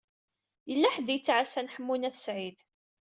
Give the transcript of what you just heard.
Yella ḥedd i yettɛassan Ḥemmu n At Sɛid.